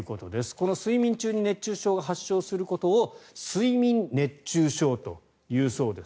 この睡眠中に熱中症が発症することを睡眠熱中症というそうです。